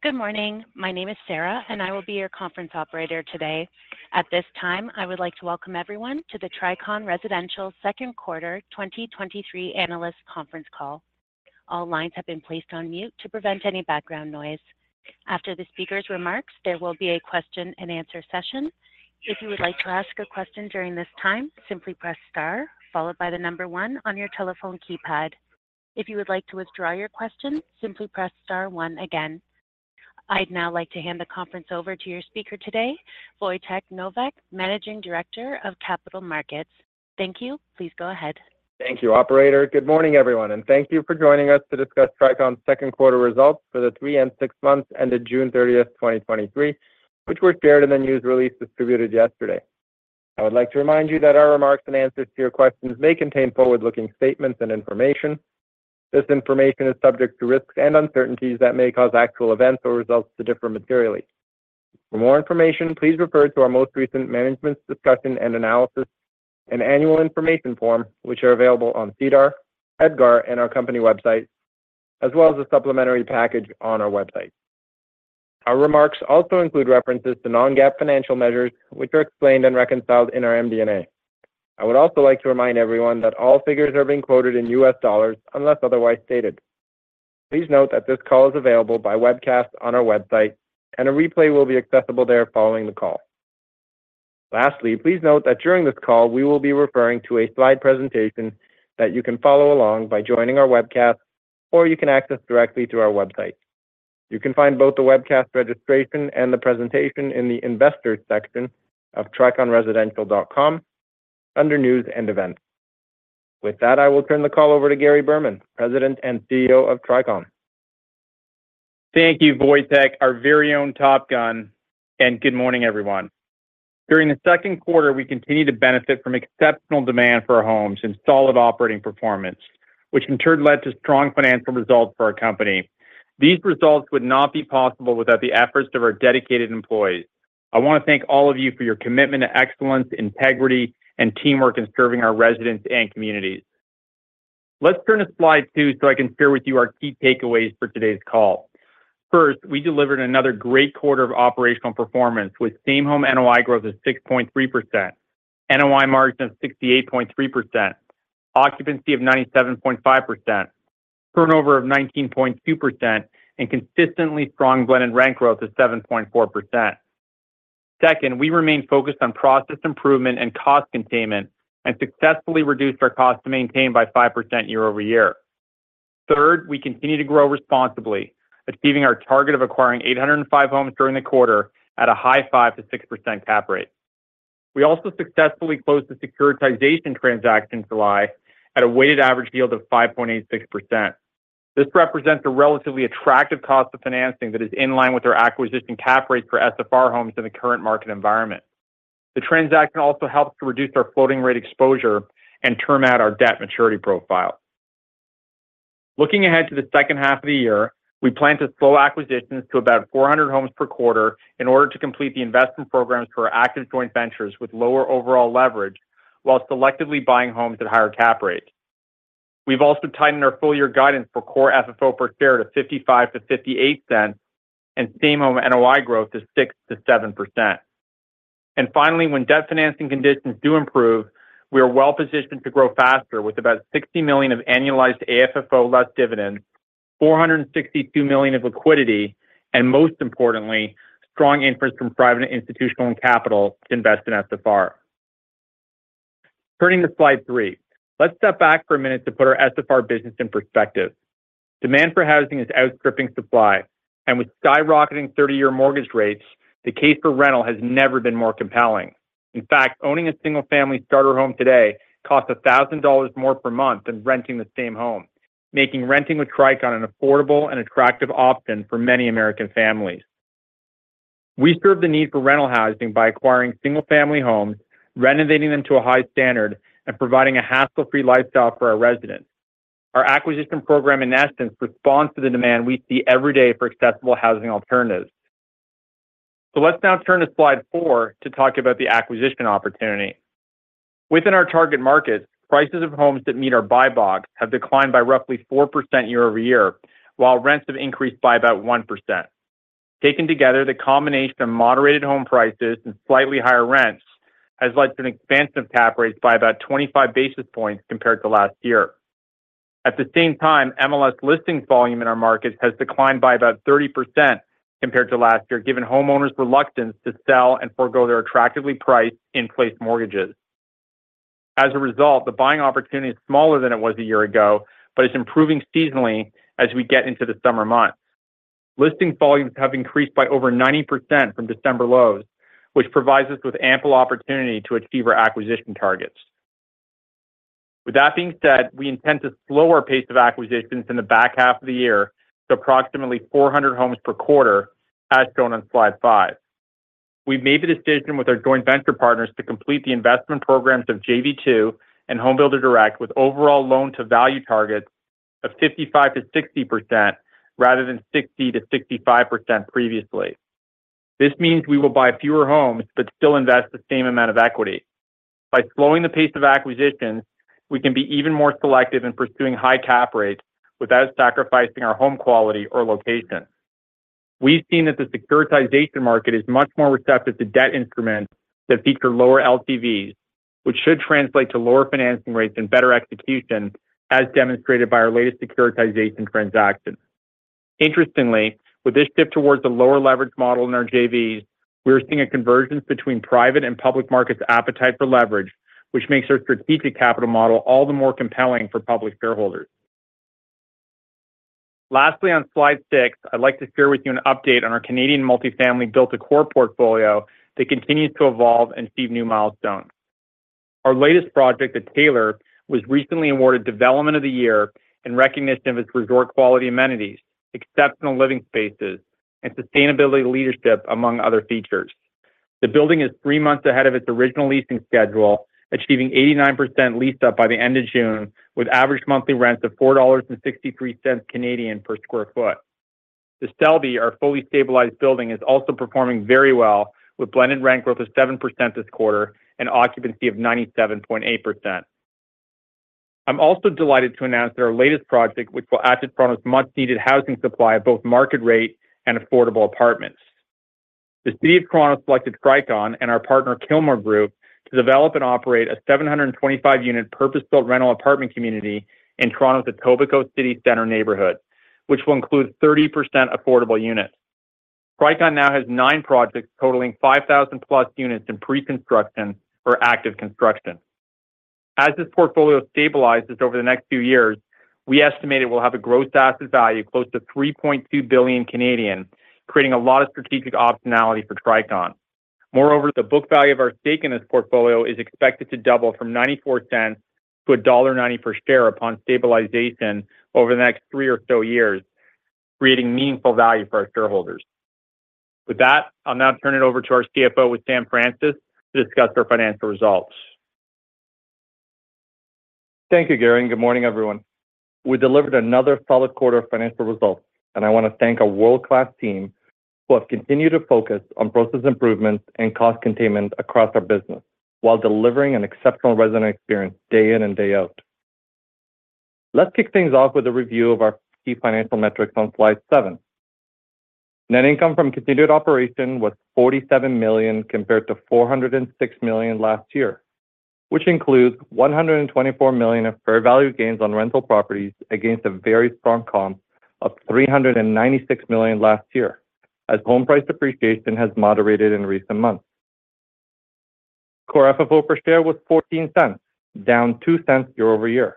Good morning. My name is Sarah, and I will be your conference operator today. At this time, I would like to welcome everyone to the Tricon Residential Second Quarter 2023 Analyst Conference Call. All lines have been placed on mute to prevent any background noise. After the speaker's remarks, there will be a question and answer session. If you would like to ask a question during this time, simply press star, followed by the number 1 on your telephone keypad. If you would like to withdraw your question, simply press star 1 again. I'd now like to hand the conference over to your speaker today, Wojtek Nowak, Managing Director, Capital Markets. Thank you. Please go ahead. Thank you, operator. Good morning, everyone, thank you for joining us to discuss Tricon's second quarter results for the 3 and 6 months ended June 30, 2023, which were shared in the news release distributed yesterday. I would like to remind you that our remarks and answers to your questions may contain forward-looking statements and information. This information is subject to risks and uncertainties that may cause actual events or results to differ materially. For more information, please refer to our most recent Management's Discussion and Analysis and Annual Information Form, which are available on SEDAR, EDGAR, and our company website, as well as a supplementary package on our website. Our remarks also include references to non-GAAP financial measures, which are explained and reconciled in our MD&A. I would also like to remind everyone that all figures are being quoted in U.S. dollars, unless otherwise stated. Please note that this call is available by webcast on our website, and a replay will be accessible there following the call. Lastly, please note that during this call, we will be referring to a slide presentation that you can follow along by joining our webcast, or you can access directly through our website. You can find both the webcast registration and the presentation in the Investors section of triconresidential.com under News and Events. With that, I will turn the call over to Gary Berman, President and CEO of Tricon. Thank you, Wojciech, our very own Top Gun. Good morning, everyone. During the second quarter, we continued to benefit from exceptional demand for our homes and solid operating performance, which in turn led to strong financial results for our company. These results would not be possible without the efforts of our dedicated employees. I want to thank all of you for your commitment to excellence, integrity, and teamwork in serving our residents and communities. Let's turn to slide 2 so I can share with you our key takeaways for today's call. First, we delivered another great quarter of operational performance with same-home NOI growth of 6.3%, NOI margin of 68.3%, occupancy of 97.5%, turnover of 19.2%, and consistently strong blend and rent growth of 7.4%. Second, we remain focused on process improvement and cost containment and successfully reduced our cost to maintain by 5% year over year. Third, we continue to grow responsibly, achieving our target of acquiring 805 homes during the quarter at a high 5%-6% cap rate. We also successfully closed the securitization transaction in July at a weighted average yield of 5.86%. This represents a relatively attractive cost of financing that is in line with our acquisition cap rate for SFR homes in the current market environment. The transaction also helps to reduce our floating rate exposure and term out our debt maturity profile. Looking ahead to the second half of the year, we plan to slow acquisitions to about 400 homes per quarter in order to complete the investment programs for our active joint ventures with lower overall leverage, while selectively buying homes at higher cap rates. We've also tightened our full year guidance for Core FFO per share to $0.55-$0.58 and same home NOI growth to 6%-7%. Finally, when debt financing conditions do improve, we are well-positioned to grow faster with about $60 million of annualized AFFO, less dividend, $462 million of liquidity, and most importantly, strong interest from private and institutional capital to invest in SFR. Turning to Slide 3. Let's step back for a minute to put our SFR business in perspective. Demand for housing is outstripping supply, with skyrocketing 30-year mortgage rates, the case for rental has never been more compelling. In fact, owning a single-family starter home today costs $1,000 more per month than renting the same home, making renting with Tricon an affordable and attractive option for many American families. We serve the need for rental housing by acquiring single-family homes, renovating them to a high standard, and providing a hassle-free lifestyle for our residents. Our acquisition program, in essence, responds to the demand we see every day for accessible housing alternatives. Let's now turn to slide 4 to talk about the acquisition opportunity. Within our target markets, prices of homes that meet our buy box have declined by roughly 4% year-over-year, while rents have increased by about 1%. Taken together, the combination of moderated home prices and slightly higher rents has led to an expansion of cap rates by about 25 basis points compared to last year. At the same time, MLS listings volume in our markets has declined by about 30% compared to last year, given homeowners' reluctance to sell and forgo their attractively priced in-place mortgages. As a result, the buying opportunity is smaller than it was a year ago, but it's improving seasonally as we get into the summer months. Listing volumes have increased by over 90% from December lows, which provides us with ample opportunity to achieve our acquisition targets. With that being said, we intend to slow our pace of acquisitions in the back half of the year to approximately 400 homes per quarter, as shown on slide 5. We made the decision with our joint venture partners to complete the investment programs of JV 2 and Homebuilder Direct with overall loan-to-value targets of 55%-60%, rather than 60%-65% previously. This means we will buy fewer homes, but still invest the same amount of equity. By slowing the pace of acquisitions, we can be even more selective in pursuing high cap rates without sacrificing our home quality or location. We've seen that the securitization market is much more receptive to debt instruments that feature lower LTVs, which should translate to lower financing rates and better execution, as demonstrated by our latest securitization transaction. Interestingly, with this shift towards the lower leverage model in our JVs, we're seeing a convergence between private and public markets appetite for leverage, which makes our strategic capital model all the more compelling for public shareholders. Lastly, on slide 6, I'd like to share with you an update on our Canadian multifamily built-to-core portfolio that continues to evolve and achieve new milestones. Our latest project at Taylor was recently awarded Development of the Year in recognition of its resort quality amenities, exceptional living spaces, and sustainability leadership, among other features. The building is 3 months ahead of its original leasing schedule, achieving 89% leased up by the end of June, with average monthly rents of 4.63 Canadian dollars per square foot. The Selby, our fully stabilized building, is also performing very well, with blended rent growth of 7% this quarter and occupancy of 97.8%. I'm also delighted to announce that our latest project, which will add to Toronto's much needed housing supply of both market rate and affordable apartments. The City of Toronto selected Tricon and our partner Kilmer Group, to develop and operate a 725-unit, purpose-built rental apartment community in Toronto's Etobicoke City Center neighborhood, which will include 30% affordable units. Tricon now has 9 projects, totaling 5,000+ units in pre-construction or active construction. As this portfolio stabilizes over the next few years, we estimate it will have a gross asset value close to 3.2 billion, creating a lot of strategic optionality for Tricon. Moreover, the book value of our stake in this portfolio is expected to double from 0.94 to dollar 1.90 per share upon stabilization over the next 3 or so years, creating meaningful value for our shareholders. With that, I'll now turn it over to our CFO, Sam Francis, to discuss our financial results. Thank you, Gary. Good morning, everyone. We delivered another solid quarter of financial results. I want to thank our world-class team who have continued to focus on process improvements and cost containment across our business, while delivering an exceptional resident experience day in and day out. Let's kick things off with a review of our key financial metrics on slide 7. Net income from continued operation was $47 million, compared to $406 million last year, which includes $124 million of fair value gains on rental properties against a very strong comp of $396 million last year, as home price appreciation has moderated in recent months. Core FFO per share was $0.14, down $0.02 year-over-year.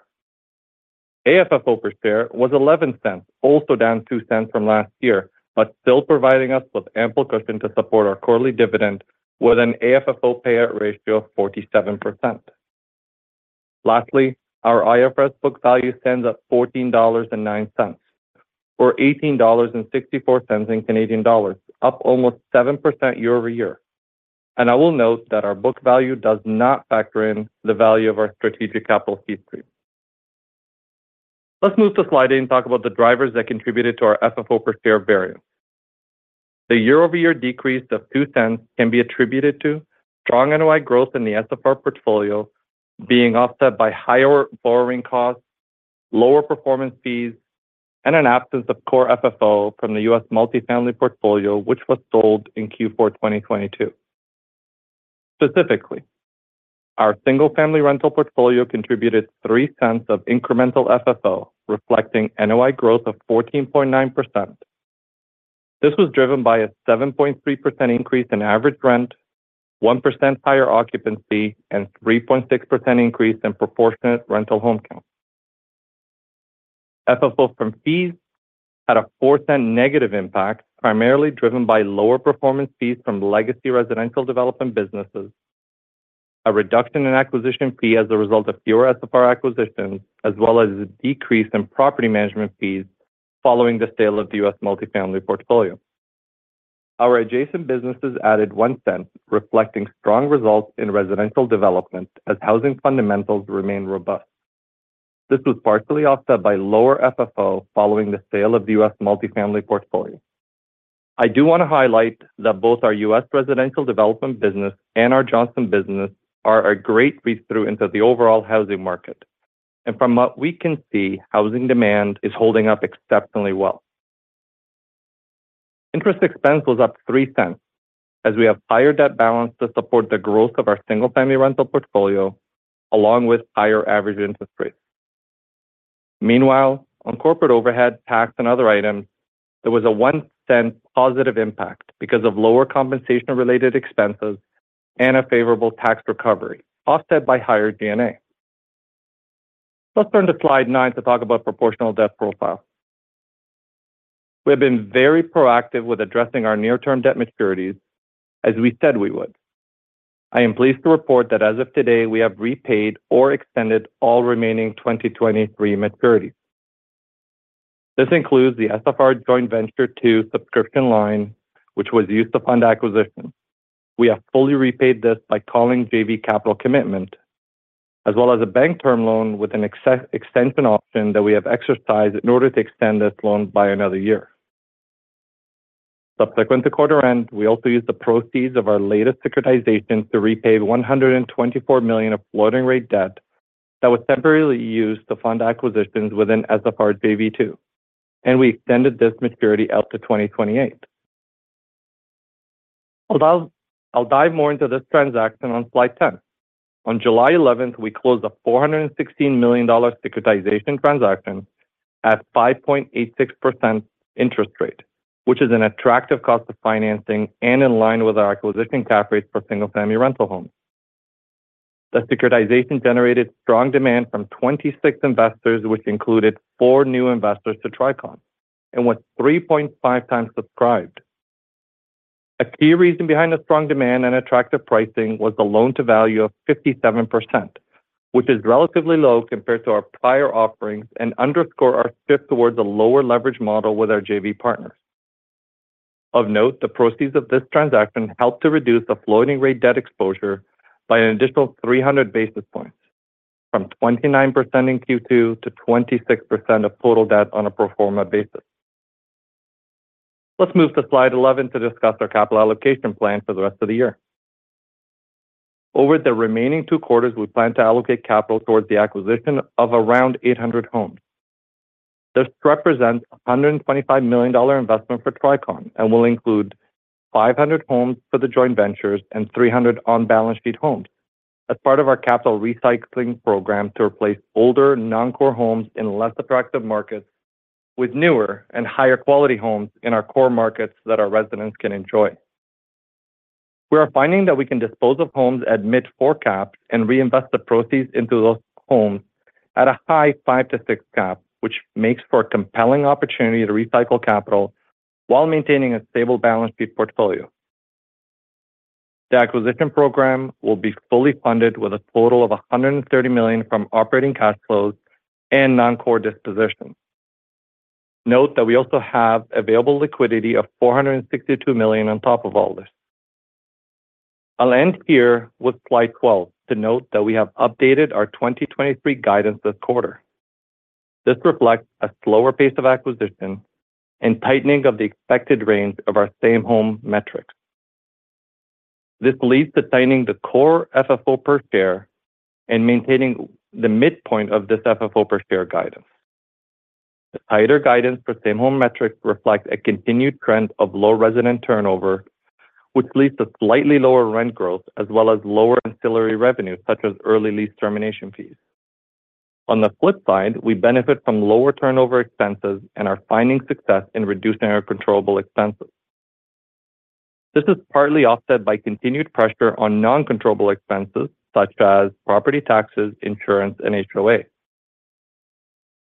AFFO per share was $0.11, also down $0.02 from last year, but still providing us with ample cushion to support our quarterly dividend with an AFFO payout ratio of 47%. Lastly, our IFRS book value stands at $14.09, or 18.64 dollars, up almost 7% year-over-year. I will note that our book value does not factor in the value of our strategic capital fee stream. Let's move to slide 8 and talk about the drivers that contributed to our FFO per share variance. The year-over-year decrease of $0.02 can be attributed to strong NOI growth in the SFR portfolio, being offset by higher borrowing costs, lower performance fees, and an absence of Core FFO from the U.S. multifamily portfolio, which was sold in Q4 2022. Specifically, our single-family rental portfolio contributed $0.03 of incremental FFO, reflecting NOI growth of 14.9%. This was driven by a 7.3% increase in average rent, 1% higher occupancy, and 3.6% increase in proportionate rental home counts. FFO from fees had a $0.04 negative impact, primarily driven by lower performance fees from legacy residential development businesses, a reduction in acquisition fee as a result of fewer SFR acquisitions, as well as a decrease in property management fees following the sale of the U.S. multifamily portfolio. Our adjacent businesses added $0.01, reflecting strong results in residential development as housing fundamentals remain robust. This was partially offset by lower FFO following the sale of the U.S. multifamily portfolio. I do want to highlight that both our U.S. residential development business and our Johnson business are a great read-through into the overall housing market. From what we can see, housing demand is holding up exceptionally well. Interest expense was up 3 cents, as we have higher debt balance to support the growth of our single-family rental portfolio, along with higher average interest rates. Meanwhile, on corporate overhead, tax, and other items, there was a 1 cent positive impact because of lower compensation-related expenses and a favorable tax recovery, offset by higher D&A. Let's turn to slide 9 to talk about proportional debt profile. We have been very proactive with addressing our near-term debt maturities, as we said we would. I am pleased to report that as of today, we have repaid or extended all remaining 2023 maturities. This includes the SFR JV-2 subscription line, which was used to fund acquisitions. We have fully repaid this by calling JV capital commitment. As well as a bank term loan with an extension option that we have exercised in order to extend this loan by another year. Subsequent to quarter end, we also used the proceeds of our latest securitization to repay $124 million of floating rate debt that was temporarily used to fund acquisitions within SFR JV-2, and we extended this maturity out to 2028. Although, I'll dive more into this transaction on slide 10. On July 11, we closed a $416 million securitization transaction at 5.86% interest rate, which is an attractive cost of financing and in line with our acquisition cap rates for single-family rental homes. The securitization generated strong demand from 26 investors, which included 4 new investors to Tricon, and was 3.5 times subscribed. A key reason behind the strong demand and attractive pricing was the loan-to-value of 57%, which is relatively low compared to our prior offerings, and underscore our shift towards a lower leverage model with our JV partners. Of note, the proceeds of this transaction helped to reduce the floating rate debt exposure by an additional 300 basis points, from 29% in Q2 to 26% of total debt on a pro forma basis. Let's move to slide 11 to discuss our capital allocation plan for the rest of the year. Over the remaining 2 quarters, we plan to allocate capital towards the acquisition of around 800 homes. This represents a $125 million investment for Tricon and will include 500 homes for the joint ventures and 300 on-balance sheet homes. As part of our capital recycling program to replace older, non-core homes in less attractive markets with newer and higher quality homes in our core markets that our residents can enjoy. We are finding that we can dispose of homes at mid 4 caps and reinvest the proceeds into those homes at a high 5-6 cap, which makes for a compelling opportunity to recycle capital while maintaining a stable balance sheet portfolio. The acquisition program will be fully funded with a total of $130 million from operating cash flows and non-core dispositions. Note that we also have available liquidity of $462 million on top of all this. I'll end here with slide 12, to note that we have updated our 2023 guidance this quarter. This reflects a slower pace of acquisition and tightening of the expected range of our same home metrics. This leads to tightening the Core FFO per share and maintaining the midpoint of this FFO per share guidance. The tighter guidance for same home metrics reflects a continued trend of low resident turnover, which leads to slightly lower rent growth, as well as lower ancillary revenue, such as early lease termination fees. On the flip side, we benefit from lower turnover expenses and are finding success in reducing our controllable expenses. This is partly offset by continued pressure on non-controllable expenses such as property taxes, insurance, and HOA.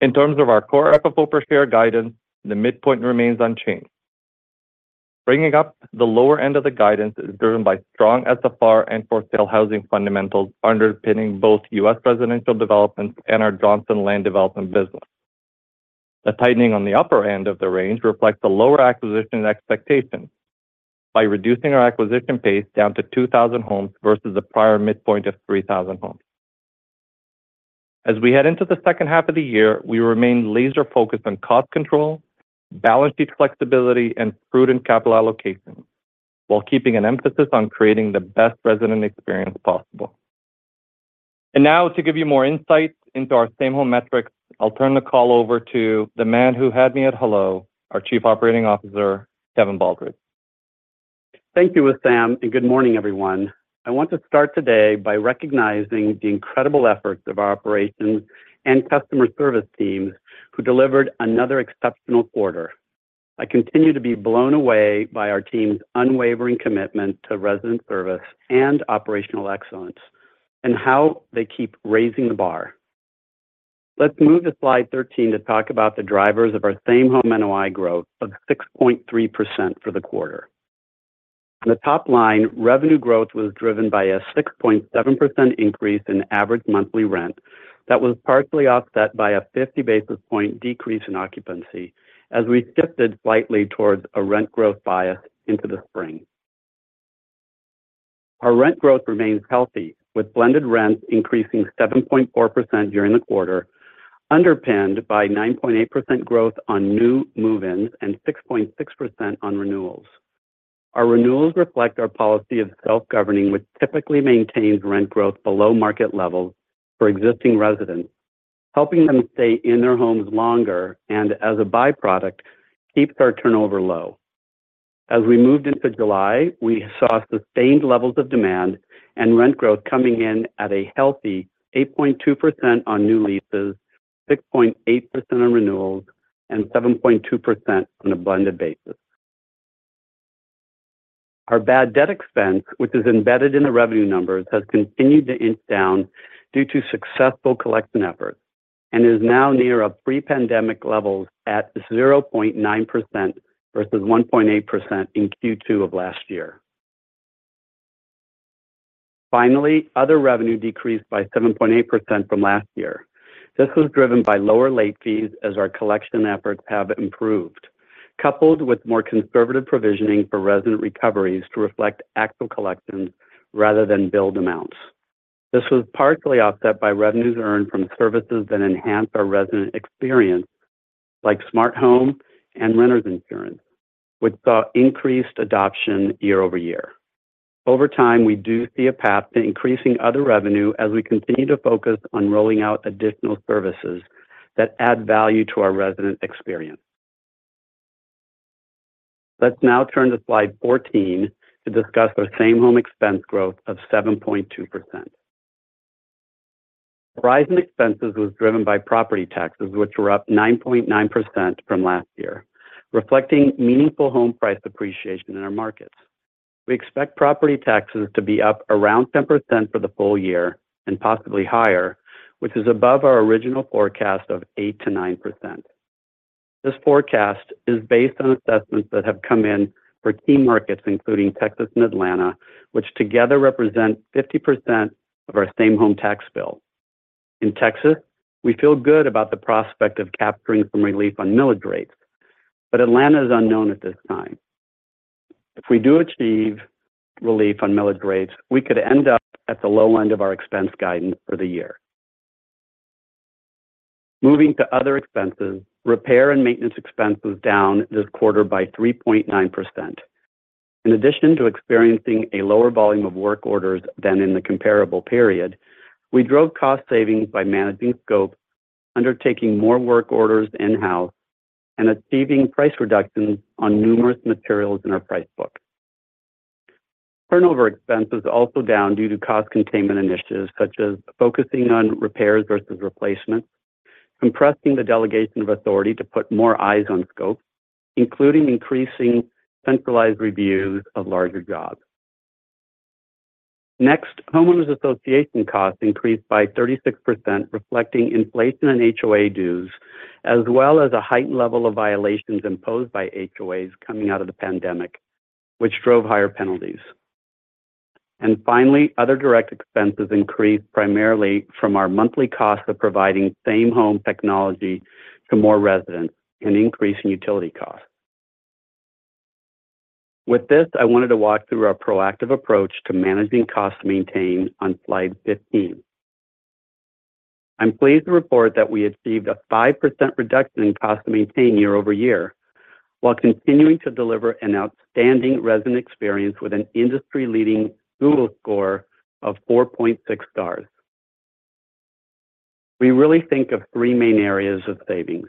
In terms of our Core FFO per share guidance, the midpoint remains unchanged. Bringing up the lower end of the guidance is driven by strong SFR and for sale housing fundamentals underpinning both U.S. residential developments and our Johnson Land Development business. The tightening on the upper end of the range reflects a lower acquisition expectation by reducing our acquisition pace down to 2,000 homes versus the prior midpoint of 3,000 homes. As we head into the second half of the year, we remain laser focused on cost control, balance sheet flexibility, and prudent capital allocation, while keeping an emphasis on creating the best resident experience possible. Now, to give you more insight into our same home metrics, I'll turn the call over to the man who had me at hello, our Chief Operating Officer, Kevin Baldridge. Thank you, Wissam. Good morning, everyone. I want to start today by recognizing the incredible efforts of our operations and customer service teams, who delivered another exceptional quarter. I continue to be blown away by our team's unwavering commitment to resident service and operational excellence, and how they keep raising the bar. Let's move to slide 13 to talk about the drivers of our same-home NOI growth of 6.3% for the quarter. On the top line, revenue growth was driven by a 6.7% increase in average monthly rent. That was partially offset by a 50 basis point decrease in occupancy as we shifted slightly towards a rent growth bias into the spring. Our rent growth remains healthy, with blended rents increasing 7.4% during the quarter, underpinned by 9.8% growth on new move-ins and 6.6% on renewals. Our renewals reflect our policy of self-governing, which typically maintains rent growth below market levels for existing residents, helping them stay in their homes longer, and as a byproduct, keeps our turnover low. As we moved into July, we saw sustained levels of demand and rent growth coming in at a healthy 8.2% on new leases, 6.8% on renewals, and 7.2% on a blended basis. Our bad debt expense, which is embedded in the revenue numbers, has continued to inch down due to successful collection efforts, and is now near a pre-pandemic level at 0.9%, versus 1.8% in Q2 of last year. Finally, other revenue decreased by 7.8% from last year. This was driven by lower late fees as our collection efforts have improved.... coupled with more conservative provisioning for resident recoveries to reflect actual collections rather than build amounts. This was partially offset by revenues earned from services that enhance our resident experience, like smart home and renters insurance, which saw increased adoption year-over-year. Over time, we do see a path to increasing other revenue as we continue to focus on rolling out additional services that add value to our resident experience. Let's now turn to slide 14 to discuss our same-home expense growth of 7.2%. Rise in expenses was driven by property taxes, which were up 9.9% from last year, reflecting meaningful home price appreciation in our markets. We expect property taxes to be up around 10% for the full year, and possibly higher, which is above our original forecast of 8%-9%. This forecast is based on assessments that have come in for key markets, including Texas and Atlanta, which together represent 50% of our same home tax bill. In Texas, we feel good about the prospect of capturing some relief on millage rates, but Atlanta is unknown at this time. If we do achieve relief on millage rates, we could end up at the low end of our expense guidance for the year. Moving to other expenses, repair and maintenance expense was down this quarter by 3.9%. In addition to experiencing a lower volume of work orders than in the comparable period, we drove cost savings by managing scope, undertaking more work orders in-house, and achieving price reductions on numerous materials in our price book. Turnover expense is also down due to cost containment initiatives, such as focusing on repairs versus replacements, compressing the delegation of authority to put more eyes on scopes, including increasing centralized reviews of larger jobs. Homeowners association costs increased by 36%, reflecting inflation in HOA dues, as well as a heightened level of violations imposed by HOAs coming out of the pandemic, which drove higher penalties. Finally, other direct expenses increased primarily from our monthly costs of providing same-home technology to more residents and increasing utility costs. With this, I wanted to walk through our proactive approach to managing costs to maintain on slide 15. I'm pleased to report that we achieved a 5% reduction in cost to maintain year-over-year, while continuing to deliver an outstanding resident experience with an industry-leading Google score of 4.6 stars. We really think of three main areas of savings.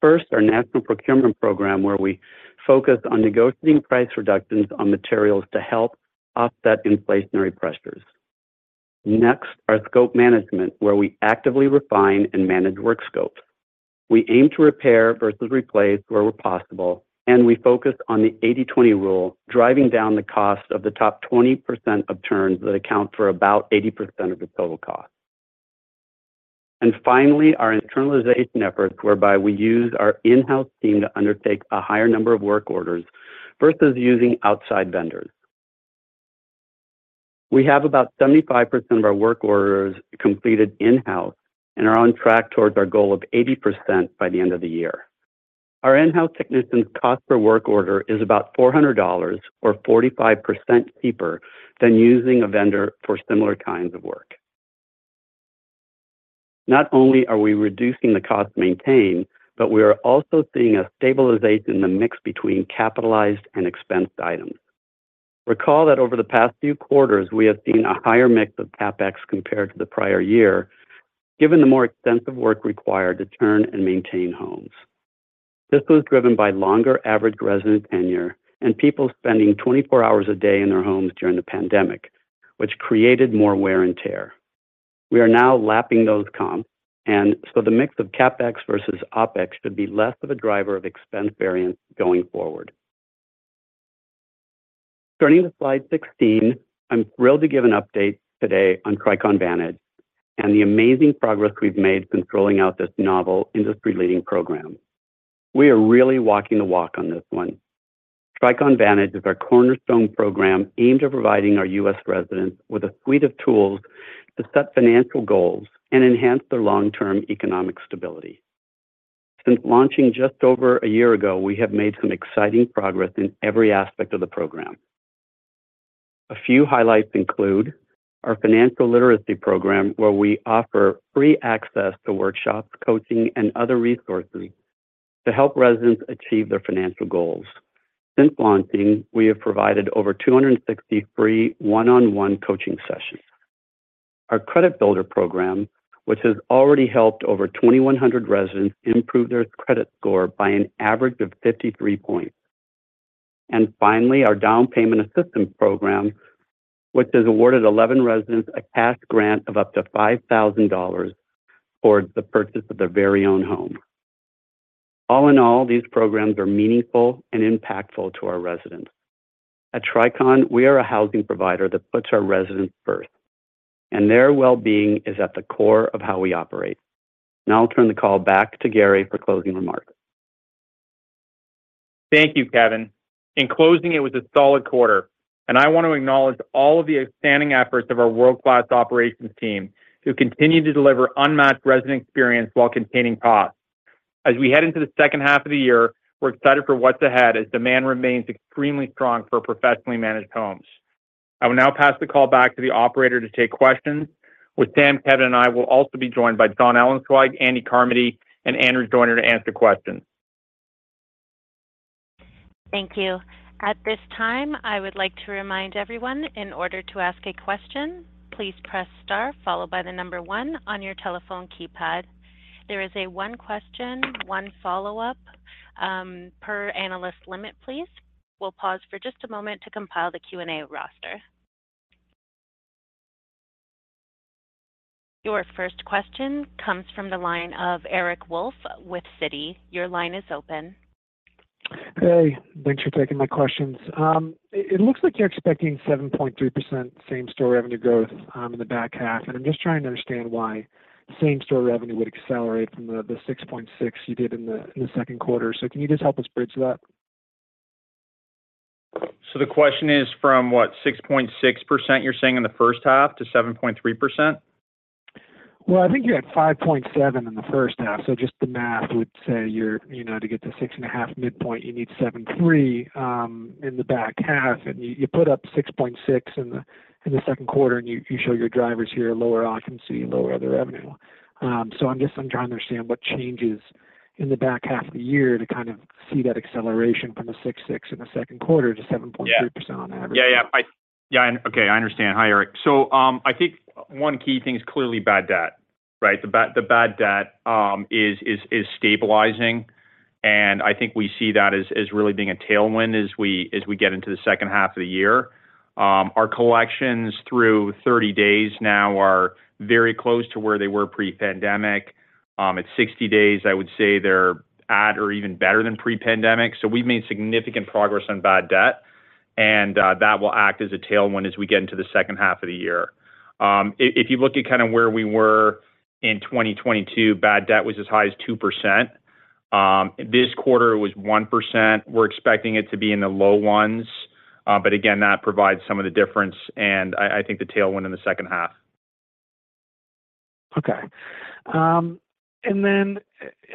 First, our national procurement program, where we focus on negotiating price reductions on materials to help offset inflationary pressures. Next, our scope management, where we actively refine and manage work scopes. We aim to repair versus replace where possible, and we focus on the 80/20 rule, driving down the cost of the top 20% of turns that account for about 80% of the total cost. Finally, our internalization efforts, whereby we use our in-house team to undertake a higher number of work orders versus using outside vendors. We have about 75% of our work orders completed in-house and are on track towards our goal of 80% by the end of the year. Our in-house technicians' cost per work order is about $400 or 45% cheaper than using a vendor for similar kinds of work. Not only are we reducing the cost to maintain, we are also seeing a stabilization in the mix between capitalized and expensed items. Recall that over the past few quarters, we have seen a higher mix of CapEx compared to the prior year, given the more extensive work required to turn and maintain homes. This was driven by longer average resident tenure and people spending 24 hours a day in their homes during the pandemic, which created more wear and tear. We are now lapping those comps, and so the mix of CapEx versus OpEx should be less of a driver of expense variance going forward. Turning to slide 16, I'm thrilled to give an update today on Tricon Vantage and the amazing progress we've made since rolling out this novel industry-leading program. We are really walking the walk on this one. Tricon Vantage is our cornerstone program aimed at providing our U.S. residents with a suite of tools to set financial goals and enhance their long-term economic stability. Since launching just over a year ago, we have made some exciting progress in every aspect of the program. A few highlights include our financial literacy program, where we offer free access to workshops, coaching, and other resources to help residents achieve their financial goals. Since launching, we have provided over 260 free one-on-one coaching sessions. Our Credit Builder program, which has already helped over 2,100 residents improve their credit score by an average of 53 points. Finally, our down payment assistance program, which has awarded 11 residents a cash grant of up to $5,000 towards the purchase of their very own home. All in all, these programs are meaningful and impactful to our residents. At Tricon, we are a housing provider that puts our residents first, and their well-being is at the core of how we operate. Now I'll turn the call back to Gary for closing remarks. Thank you, Kevin. In closing, it was a solid quarter, and I want to acknowledge all of the outstanding efforts of our world-class operations team, who continue to deliver unmatched resident experience while containing costs. As we head into the second half of the year, we're excited for what's ahead, as demand remains extremely strong for professionally managed homes. I will now pass the call back to the operator to take questions. With Sam, Kevin, and I will also be joined by Jonathan Ellenzweig, Andy Carmody, and Andrew Joyner to answer questions. Thank you. At this time, I would like to remind everyone in order to ask a question, please press star followed by the number 1 on your telephone keypad. There is a 1 question, 1 follow-up per analyst limit, please. We'll pause for just a moment to compile the Q&A roster. Your first question comes from the line of Eric Wolfe with Citi. Your line is open. Hey, thanks for taking my questions. It looks like you're expecting 7.3% same-store revenue growth in the back half, and I'm just trying to understand why same-store revenue would accelerate from the 6.6 you did in 2Q. Can you just help us bridge that? The question is from what? 6.6% you're saying in the first half to 7.3%? Well, I think you had 5.7 in the first half, just the math would say you're to get to 6.5 midpoint, you need 7.3 in the back half. You, you put up 6.6 in the second quarter, and you, you show your drivers here, lower occupancy and lower other revenue. I'm trying to understand what changes in the back half of the year to kind of see that acceleration from the 6.6 in the second quarter to 7.3% on average. Yeah. Yeah, yeah. Okay, I understand. Hi, Eric. I think 1 key thing is clearly bad debt, right? The bad debt is stabilizing, and I think we see that as really being a tailwind as we get into the 2nd half of the year. Our collections through 30 days now are very close to where they were pre-pandemic. At 60 days, I would say they're at or even better than pre-pandemic. We've made significant progress on bad debt, and that will act as a tailwind as we get into the 2nd half of the year. If you look at kinda where we were in 2022, bad debt was as high as 2%. This quarter it was 1%. We're expecting it to be in the low ones, but again, that provides some of the difference, and I, I think the tailwind in the second half. Okay. I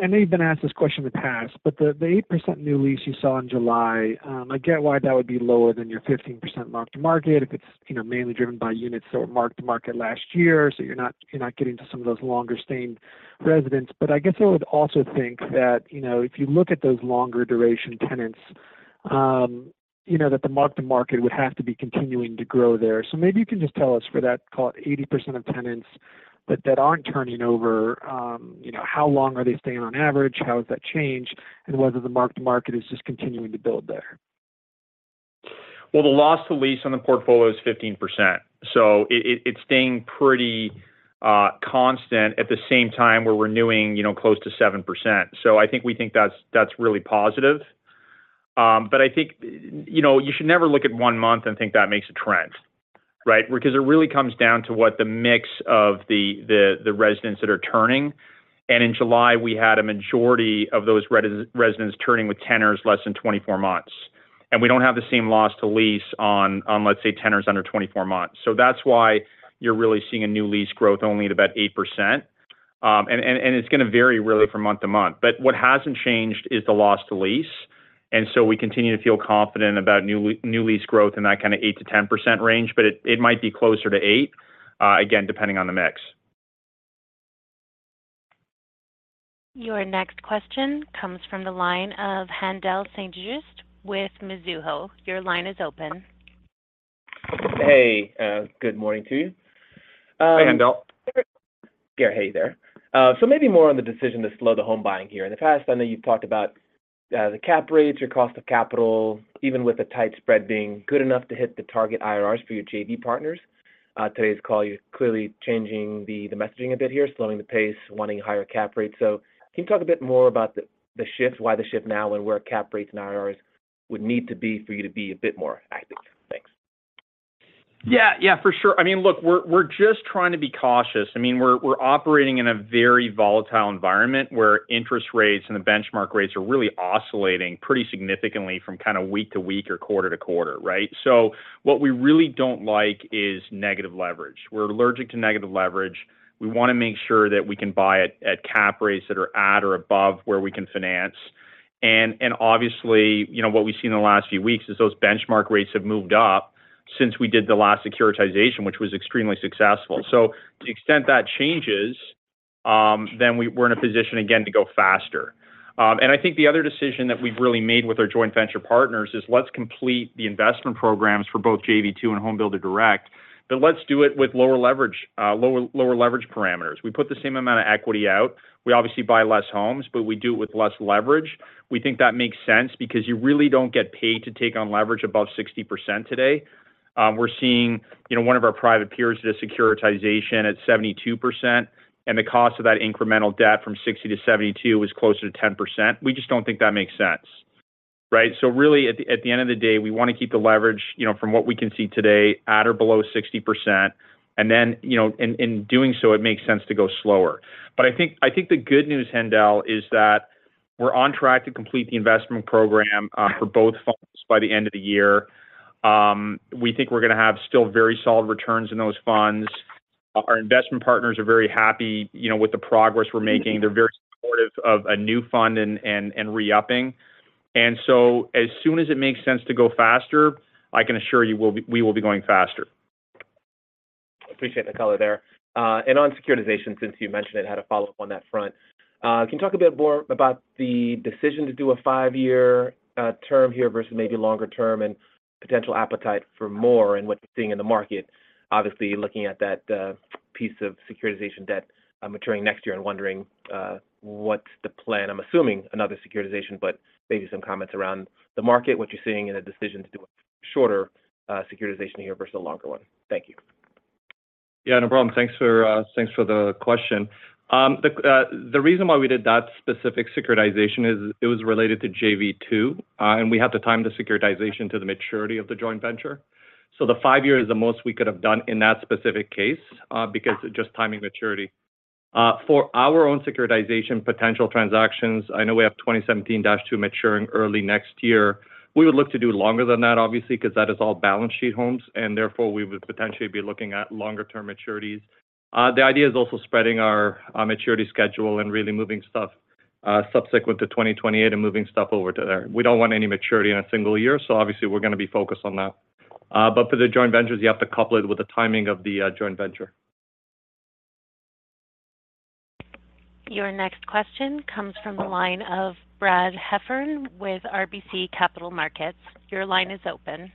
know you've been asked this question in the past, but the, the 8% new lease you saw in July, I get why that would be lower than your 15% mark-to-market if it's mainly driven by units that were mark-to-market last year, so you're not, you're not getting to some of those longer-stayed residents. I guess I would also think that if you look at those longer duration tenants that the mark-to-market would have to be continuing to grow there. Maybe you can just tell us for that call, 80% of tenants that, that aren't turning over how long are they staying on average? How has that changed, and whether the mark-to-market is just continuing to build there? Well, the loss to lease on the portfolio is 15%, so it, it, it's staying pretty constant. At the same time, we're renewing close to 7%. I think we think that's, that's really positive. I think you should never look at one month and think that makes a trend, right? It really comes down to what the mix of the, the, the residents that are turning. In July, we had a majority of those residents turning with tenures less than 24 months. We don't have the same loss to lease on, on, let's say, tenures under 24 months. That's why you're really seeing a new lease growth only at about 8%. It's gonna vary really from month to month. What hasn't changed is the loss to lease, and so we continue to feel confident about new new lease growth in that kind of 8%-10% range, but it, it might be closer to 8, again, depending on the mix. Your next question comes from the line of Haendel St. Juste with Mizuho. Your line is open. Hey, good morning to you. Hey, Haendel. Yeah, hey there. So maybe more on the decision to slow the home buying here. In the past, I know you've talked about the cap rates or cost of capital, even with the tight spread being good enough to hit the target IRRs for your JV partners. Today's call, you're clearly changing the, the messaging a bit here, slowing the pace, wanting higher cap rates. Can you talk a bit more about the, the shift, why the shift now, and where cap rates and IRRs would need to be for you to be a bit more active? Thanks. Yeah, yeah, for sure. I mean, look, we're, we're just trying to be cautious. I mean, we're, we're operating in a very volatile environment, where interest rates and the benchmark rates are really oscillating pretty significantly from kind of week to week or quarter to quarter, right? What we really don't like is negative leverage. We're allergic to negative leverage. We wanna make sure that we can buy at, at cap rates that are at or above where we can finance. obviously what we've seen in the last few weeks is those benchmark rates have moved up since we did the last securitization, which was extremely successful. To the extent that changes, then we're in a position again to go faster. I think the other decision that we've really made with our joint venture partners is, let's complete the investment programs for both SFR JV-2 and Homebuilder Direct, but let's do it with lower leverage, lower, lower leverage parameters. We put the same amount of equity out. We obviously buy less homes, but we do it with less leverage. We think that makes sense because you really don't get paid to take on leverage above 60% today. We're seeing one of our private peers did a securitization at 72%, and the cost of that incremental debt from 60 to 72 was closer to 10%. We just don't think that makes sense, right? really, at the, at the end of the day, we wanna keep the leverage from what we can see today, at or below 60%, and then in, in doing so, it makes sense to go slower. I think, I think the good news, Hendel, is that. We're on track to complete the investment program for both funds by the end of the year. We think we're gonna have still very solid returns in those funds. Our investment partners are very happy with the progress we're making. They're very supportive of a new fund and, and, and re-upping. As soon as it makes sense to go faster, I can assure you we will be going faster. Appreciate the color there. On securitization, since you mentioned it, I had a follow-up on that front. Can you talk a bit more about the decision to do a five-year term here versus maybe longer term and potential appetite for more, and what you're seeing in the market? Obviously, looking at that piece of securitization debt maturing next year and wondering what's the plan? I'm assuming another securitization, but maybe some comments around the market, what you're seeing, and the decision to do a shorter securitization here versus a longer one. Thank you. Yeah, no problem. Thanks for, thanks for the question. The reason why we did that specific securitization is it was related to SFR JV-2, and we had to time the securitization to the maturity of the joint venture. The 5-year is the most we could have done in that specific case, because just timing maturity. For our own securitization potential transactions, I know we have 2017-2 maturing early next year. We would look to do longer than that, obviously, 'cause that is all balance sheet homes, and therefore, we would potentially be looking at longer term maturities. The idea is also spreading our maturity schedule and really moving stuff subsequent to 2028 and moving stuff over to there. We don't want any maturity in a single year, so obviously we're gonna be focused on that. For the joint ventures, you have to couple it with the timing of the joint venture. Your next question comes from the line of Brad Heffern with RBC Capital Markets. Your line is open.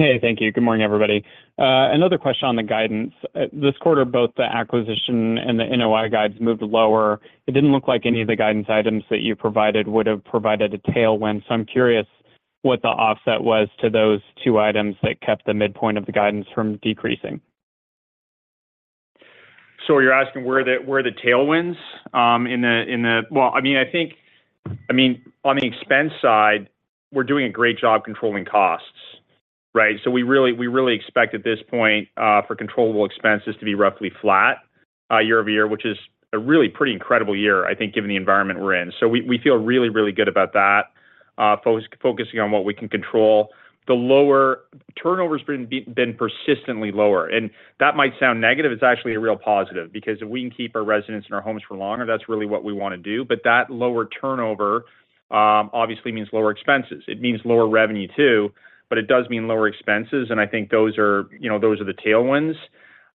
Hey, thank you. Good morning, everybody. Another question on the guidance. This quarter, both the acquisition and the NOI guides moved lower. It didn't look like any of the guidance items that you provided would have provided a tailwind. I'm curious what the offset was to those two items that kept the midpoint of the guidance from decreasing. You're asking where the, where are the tailwinds, in the I mean, I think, I mean, on the expense side, we're doing a great job controlling costs, right? We really, we really expect at this point, for controllable expenses to be roughly flat year-over-year, which is a really pretty incredible year, I think, given the environment we're in. We, we feel really, really good about that. Focusing on what we can control. The lower... Turnover has been persistently lower, and that might sound negative. It's actually a real positive, because if we can keep our residents in our homes for longer, that's really what we want to do. That lower turnover obviously means lower expenses. It means lower revenue, too, but it does mean lower expenses, and I think those are those are the tailwinds.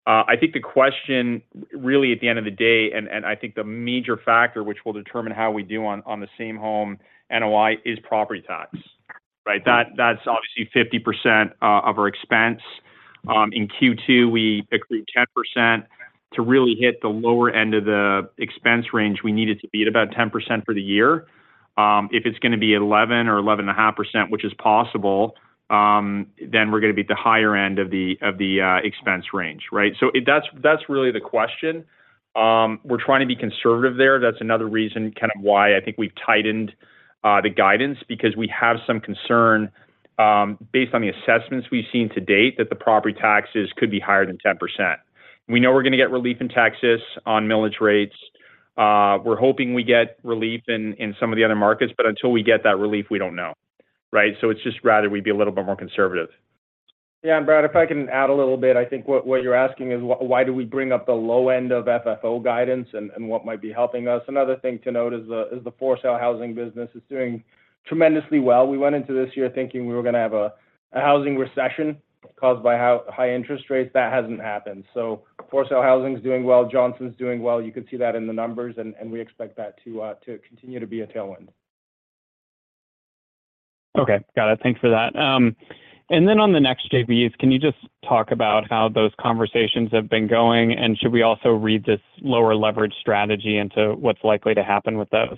I think the question really at the end of the day, and, and I think the major factor which will determine how we do on the same home NOI, is property tax. Right? That's obviously 50% of our expense. In Q2, we increased 10%. To really hit the lower end of the expense range, we need it to be at about 10% for the year. If it's gonna be 11% or 11.5%, which is possible, then we're gonna be at the higher end of the expense range, right? That's really the question. We're trying to be conservative there. That's another reason kind of why I think we've tightened the guidance, because we have some concern, based on the assessments we've seen to date, that the property taxes could be higher than 10%. We know we're gonna get relief in Texas on millage rates. We're hoping we get relief in, in some of the other markets, but until we get that relief, we don't know. Right? It's just rather we be a little bit more conservative. Yeah, and Brad, if I can add a little bit. I think what, what you're asking is why do we bring up the low end of FFO guidance and, and what might be helping us? Another thing to note is the, is the for-sale housing business is doing tremendously well. We went into this year thinking we were gonna have a, a housing recession caused by high interest rates. That hasn't happened. For-sale housing is doing well, Johnson is doing well. You could see that in the numbers, and, and we expect that to continue to be a tailwind. Okay, got it. Thanks for that. Then on the next JVs, can you just talk about how those conversations have been going? Should we also read this lower leverage strategy into what's likely to happen with those?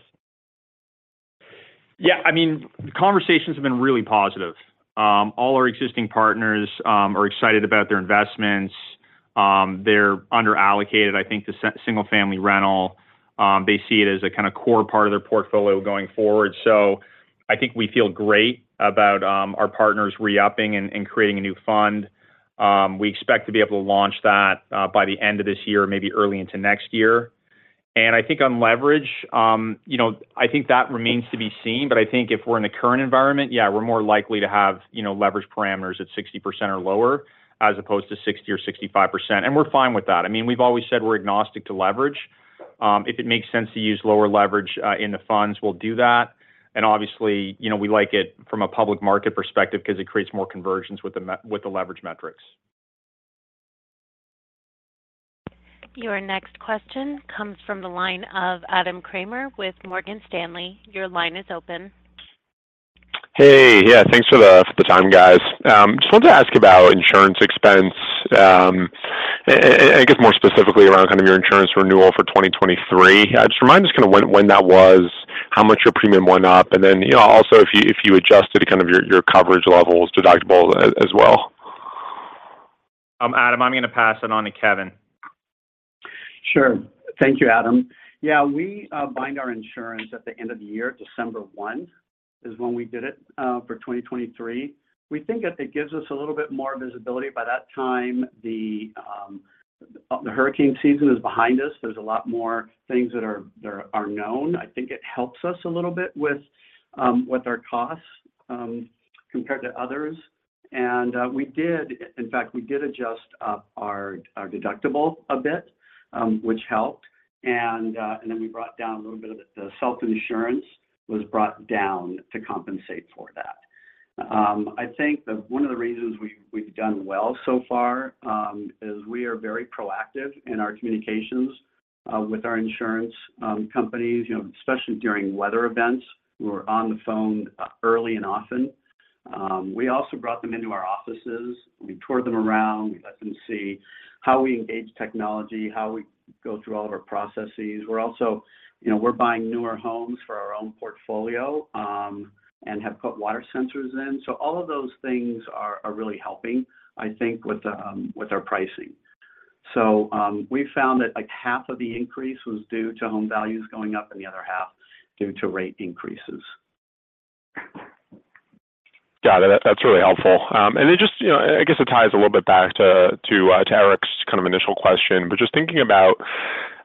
Yeah, I mean, conversations have been really positive. All our existing partners are excited about their investments. They're underallocated. I think the single-family rental, they see it as a kinda core part of their portfolio going forward. I think we feel great about our partners re-upping and creating a new fund. We expect to be able to launch that by the end of this year, maybe early into next year. I think on leverage I think that remains to be seen, but I think if we're in the current environment, yeah, we're more likely to have leverage parameters at 60% or lower, as opposed to 60%-65%. We're fine with that. I mean, we've always said we're agnostic to leverage. If it makes sense to use lower leverage, in the funds, we'll do that. obviously we like it from a public market perspective because it creates more conversions with the with the leverage metrics. Your next question comes from the line of Adam Kramer with Morgan Stanley. Your line is open. Hey, yeah, thanks for the, for the time, guys. Just wanted to ask about insurance expense, and I guess more specifically around kind of your insurance renewal for 2023. Just remind us kinda when, when that was, how much your premium went up, and then also if you, if you adjusted kind of your, your coverage levels, deductibles well? Adam, I'm gonna pass it on to Kevin. Sure. Thank you, Adam. Yeah, we bind our insurance at the end of the year, December 1, is when we did it for 2023. We think that it gives us a little bit more visibility. By that time, the hurricane season is behind us. There's a lot more things that are, that are known. I think it helps us a little bit with our costs compared to others. In fact, we did adjust up our deductible a bit, which helped. The self-insurance was brought down to compensate for that. I think that one of the reasons we've done well so far is we are very proactive in our communications with our insurance companies., especially during weather events, we're on the phone, early and often. We also brought them into our offices. We toured them around. We let them see how we engage technology, how we go through all of our processes., we're buying newer homes for our own portfolio, and have put water sensors in. All of those things are, are really helping, I think, with our pricing. We found that, like, half of the increase was due to home values going up and the other half due to rate increases. Got it. That, that's really helpful. It just I guess it ties a little bit back to, to Eric's kind of initial question, but just thinking about...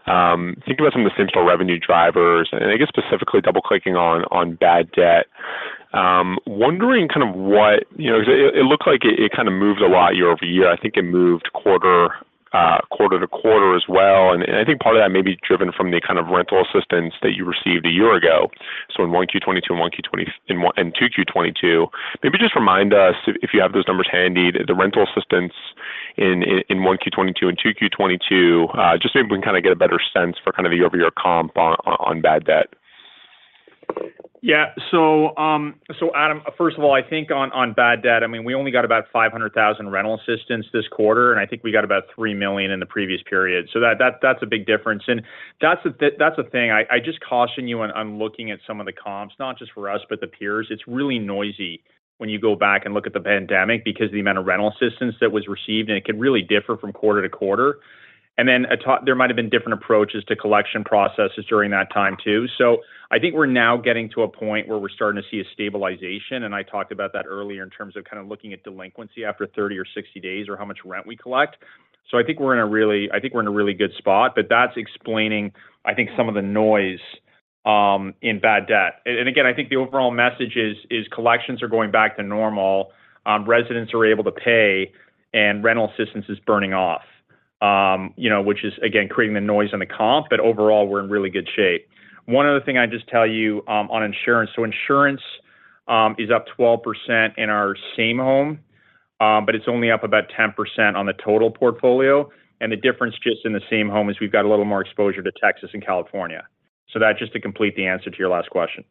thinking about some of the central revenue drivers, and I guess specifically double-clicking on, on bad debt, wondering kind of, it, it, it looked like it, it kind of moved a lot year-over-year. I think it moved quarter, quarter-to-quarter as well. I think part of that may be driven from the kind of rental assistance that you received a year ago, so in 1 Q22 and in 2 Q22. Maybe just remind us if, if you have those numbers handy, the rental assistance in, in, in 1 Q 2022 and 2 Q 2022, just so we can kind of get a better sense for kind of the year-over-year comp on, on bad debt. Yeah. Adam, first of all, I think on, on bad debt, I mean, we only got about $500,000 rental assistance this quarter, and I think we got about $3 million in the previous period. That, that, that's a big difference. That's the thing. I, I just caution you when I'm looking at some of the comps, not just for us, but the peers. It's really noisy when you go back and look at the pandemic because the amount of rental assistance that was received, and it could really differ from quarter to quarter. There might have been different approaches to collection processes during that time, too. I think we're now getting to a point where we're starting to see a stabilization, and I talked about that earlier in terms of kind of looking at delinquency after 30 or 60 days or how much rent we collect. I think we're in a really good spot, but that's explaining, I think, some of the noise, in bad debt. Again, I think the overall message is, is collections are going back to normal, residents are able to pay, and rental assistance is burning off., which is, again, creating the noise on the comp, but overall, we're in really good shape. One other thing I'd just tell you, on insurance. Insurance is up 12% in our same home, but it's only up about 10% on the total portfolio. The difference just in the same home is we've got a little more exposure to Texas and California. That just to complete the answer to your last question.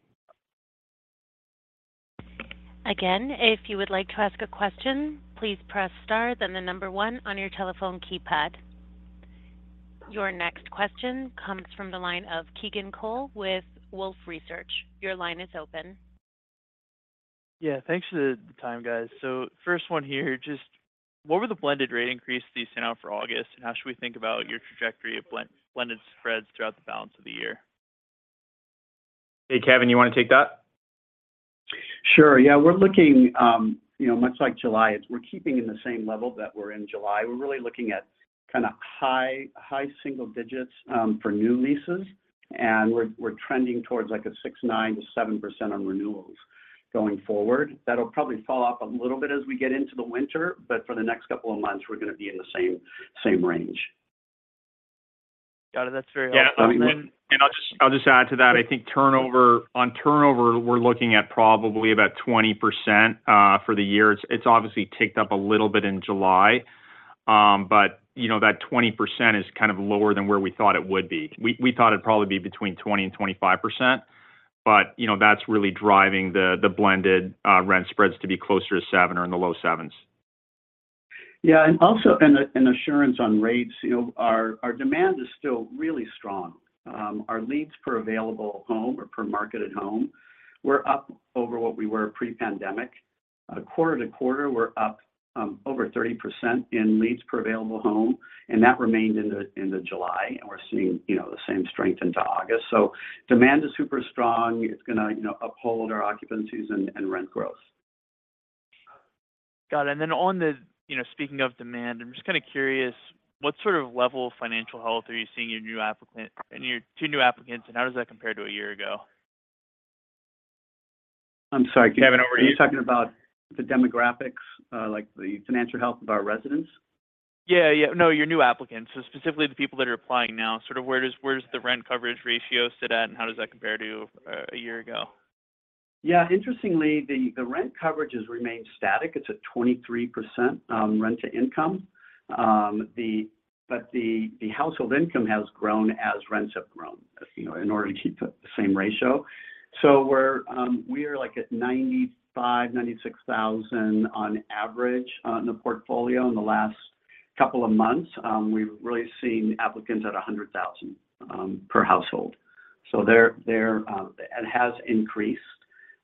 Again, if you would like to ask a question, please press Star, then the 1 on your telephone keypad. Your next question comes from the line of Keegan Carl with Wolfe Research. Your line is open. Yeah, thanks for the time, guys. First one here, just what were the blended rate increases you sent out for August, and how should we think about your trajectory of blended spreads throughout the balance of the year? Hey, Kevin, you want to take that? Sure, yeah. We're looking much like July, we're keeping in the same level that we're in July. We're really looking at kind of high, high single digits, for new leases, and we're, we're trending towards like a 6.9%-7% on renewals going forward. That'll probably fall off a little bit as we get into the winter, but for the next couple of months, we're going to be in the same, same range. Got it. That's very helpful. Yeah, I'll just add to that. I think On turnover, we're looking at probably about 20% for the year. It's obviously ticked up a little bit in July, but , that 20% is kind of lower than where we thought it would be. We thought it'd probably be between 20% and 25%, but, that's really driving the blended rent spreads to be closer to 7 or in the low 7s. Yeah, and also, an assurance on rates our demand is still really strong. Our leads per available home or per marketed home were up over what we were pre-pandemic. Quarter to quarter, we're up over 30% in leads per available home, and that remained into, into July, and we're seeing the same strength into August. Demand is super strong. It's gonna uphold our occupancies and, and rent growth. Got it. Then on the speaking of demand, I'm just kind of curious, what sort of level of financial health are you seeing in your new applicant, in your 2 new applicants, and how does that compare to a year ago? I'm sorry, Kevin, are you talking about the demographics, like the financial health of our residents? Yeah, yeah. No, your new applicants. Specifically, the people that are applying now, sort of where does, where does the rent coverage ratio sit at, and how does that compare to a year ago? Yeah, interestingly, the, the rent coverage has remained static. It's at 23% rent to income. The, the household income has grown as rents have grown in order to keep the, the same ratio. We're like at $95,000-$96,000 on average in the portfolio in the last couple of months. We've really seen applicants at $100,000 per household. They're, they're, it has increased.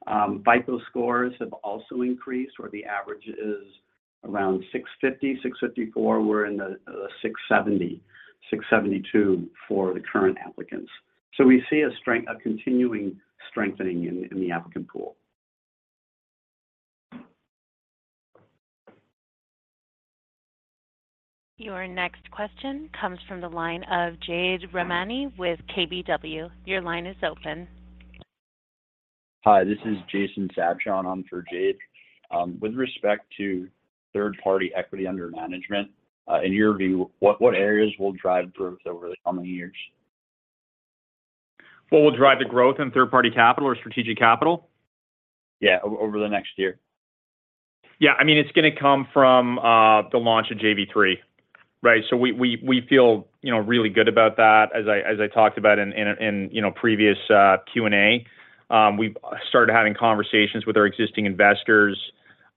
FICO scores have also increased, where the average is-... around 650, 654, we're in the, 670, 672 for the current applicants. We see a continuing strengthening in, in the applicant pool. Your next question comes from the line of Jade Rahmani with KBW. Your line is open. Hi, this is Jason Sabjon. I'm for Jade. With respect to third-party equity under management, in your view, what, what areas will drive growth over the coming years? What will drive the growth in third-party capital or strategic capital? Yeah, over the next year. Yeah, I mean, it's gonna come from the launch of JV3, right? We, we, we feel really good about that. As I, as I talked about in, in, in previous Q&A, we've started having conversations with our existing investors.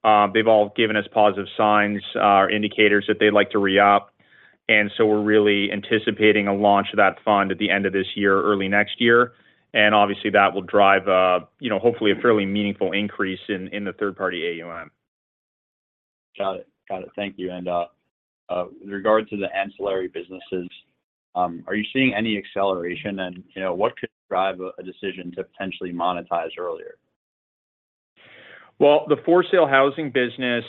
They've all given us positive signs or indicators that they'd like to re-up, and so we're really anticipating a launch of that fund at the end of this year or early next year. Obviously, that will drive hopefully a fairly meaningful increase in, in the third-party AUM. Got it. Got it. Thank you. With regards to the ancillary businesses, are you seeing any acceleration?, what could drive a decision to potentially monetize earlier? Well, the for-sale housing business,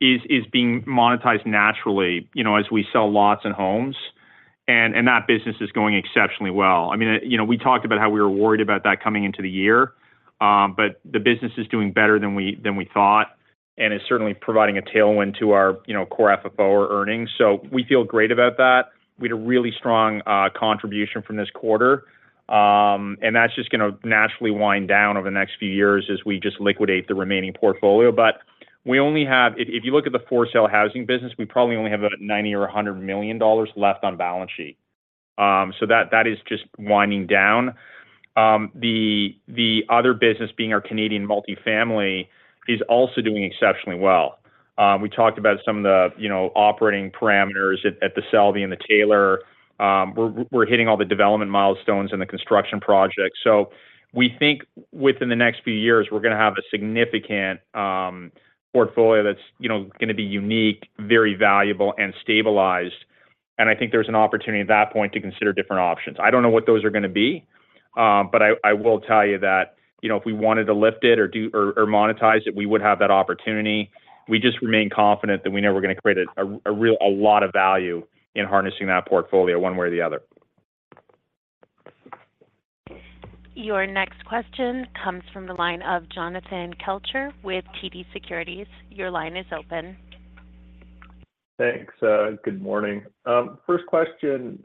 is, is being monetized naturally as we sell lots and homes, and, and that business is going exceptionally well. I mean we talked about how we were worried about that coming into the year, but the business is doing better than we, than we thought, and is certainly providing a tailwind to our Core FFO or earnings. We feel great about that. We had a really strong contribution from this quarter, and that's just gonna naturally wind down over the next few years as we just liquidate the remaining portfolio. We only have, if, if you look at the for-sale housing business, we probably only have about $90 million or $100 million left on balance sheet. That, that is just winding down. The, the other business, being our Canadian multi-family, is also doing exceptionally well. We talked about some of the operating parameters at, at The Selby and The Taylor. We're, we're hitting all the development milestones in the construction project. We think within the next few years, we're gonna have a significant portfolio that's gonna be unique, very valuable, and stabilized. I think there's an opportunity at that point to consider different options. I don't know what those are gonna be, but I, I will tell you that if we wanted to lift it or or monetize it, we would have that opportunity. We just remain confident that we know we're gonna create a, a, a lot of value in harnessing that portfolio one way or the other. Your next question comes from the line of Jonathan Kelcher with TD Securities. Your line is open. Thanks. Good morning. First question,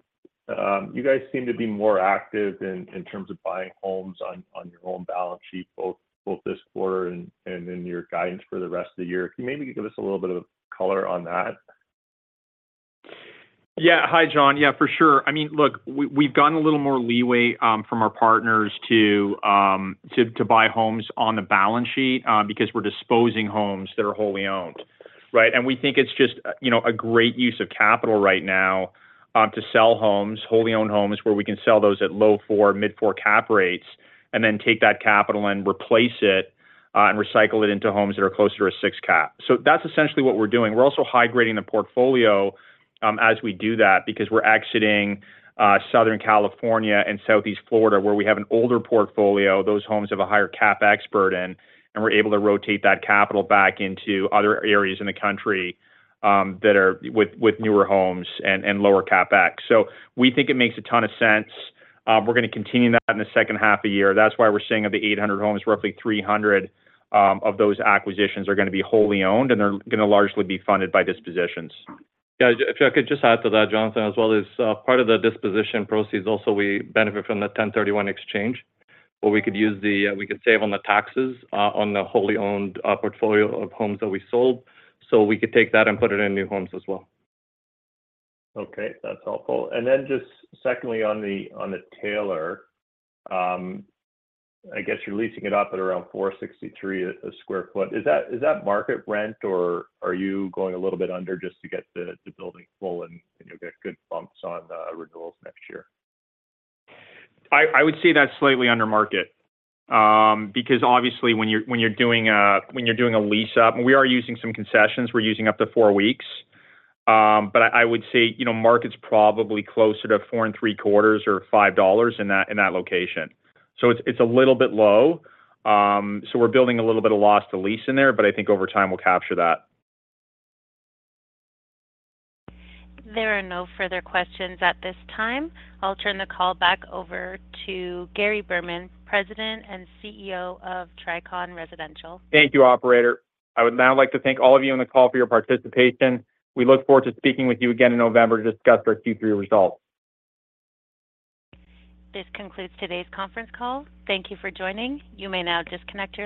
you guys seem to be more active in terms of buying homes on your own balance sheet, both this quarter and in your guidance for the rest of the year. Can you maybe give us a little bit of color on that? Yeah. Hi, John. Yeah, for sure. I mean, look, we, we've gotten a little more leeway from our partners to to buy homes on the balance sheet because we're disposing homes that are wholly owned, right? We think it's just a great use of capital right now to sell homes, wholly owned homes, where we can sell those at low 4, mid 4 cap rates, and then take that capital and replace it and recycle it into homes that are closer to a 6 cap. That's essentially what we're doing. We're also high-grading the portfolio as we do that, because we're exiting Southern California and Southeast Florida, where we have an older portfolio. Those homes have a higher CapEx burden, and we're able to rotate that capital back into other areas in the country, that are with, with newer homes and, and lower CapEx. We think it makes a ton of sense. We're gonna continue that in the second half of the year. That's why we're saying of the 800 homes, roughly 300 of those acquisitions are gonna be wholly owned, and they're gonna largely be funded by dispositions. Yeah, if I could just add to that, Jonathan, as well as, part of the disposition proceeds, also we benefit from the 1031 exchange, where we could use the, we could save on the taxes, on the wholly owned, portfolio of homes that we sold. We could take that and put it in new homes as well. Okay, that's helpful. Then just secondly, on The Taylor, I guess you're leasing it out at around $4.63 a square foot. Is that, is that market rent, or are you going a little bit under just to get the, the building full, and, and you'll get good bumps on renewals next year? I, I would say that's slightly under market, because obviously, when you're, when you're doing a lease-up, we are using some concessions. We're using up to four weeks. I, I would say market's probably closer to $4.75 or $5 in that, in that location. It's, it's a little bit low. We're building a little bit of loss to lease in there, but I think over time we'll capture that. There are no further questions at this time. I'll turn the call back over to Gary Berman, President and CEO of Tricon Residential. Thank you, operator. I would now like to thank all of you on the call for your participation. We look forward to speaking with you again in November to discuss our Q3 results. This concludes today's conference call. Thank you for joining. You may now disconnect your line.